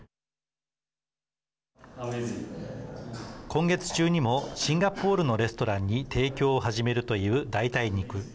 今月中にもシンガポールのレストランに提供を始めるという代替肉。